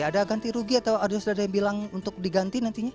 ada ganti rugi atau ada yang bilang untuk diganti nantinya